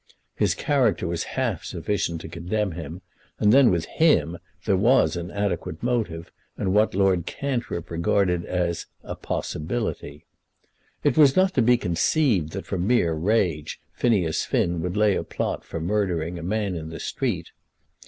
His character was half sufficient to condemn him; and then with him there was an adequate motive, and what Lord Cantrip regarded as "a possibility." It was not to be conceived that from mere rage Phineas Finn would lay a plot for murdering a man in the street.